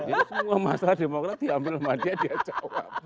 jadi semua masalah demokrat diambil sama dia dia jawab